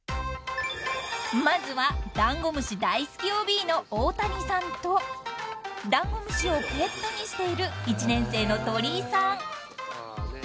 ［まずはダンゴムシ大好きＯＢの大谷さんとダンゴムシをペットにしている１年生の鳥居さん］